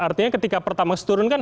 artinya ketika pertama seturunkan